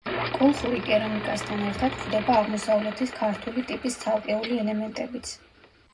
კოლხური კერამიკასთან ერთად გვხვდება აღმოსავლეთის ქართული ტიპის ცალკეული ელემენტებიც.